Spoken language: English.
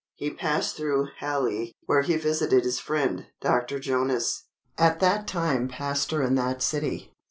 He passed through Halle, where he visited his friend, Dr. Jonas, at that time pastor in that city.